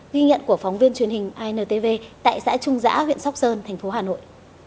ghi nhận của phóng viên truyền hình intv tại xã trung giã huyện sóc sơn thành phố hà nội